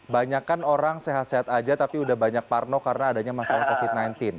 banyakkan orang sehat sehat saja tapi sudah banyak parno karena adanya masalah covid sembilan belas